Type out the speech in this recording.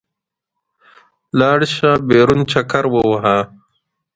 لاړ شه، بېرون چکر ووهه.